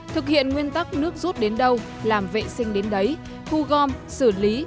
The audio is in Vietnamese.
thực hiện nguyên tắc nước rút đến đâu làm vệ sinh đến đấy thu gom xử lý